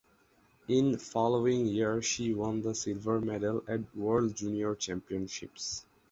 In following year she won the silver medal at World Junior Championships.